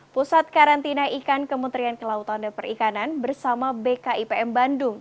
pusat karantina ikan kementerian kelautan dan perikanan bersama bkipm bandung